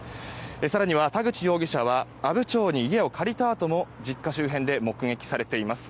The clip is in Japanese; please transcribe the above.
更には田口容疑者は阿武町に家を借りたあとも実家周辺で目撃されています。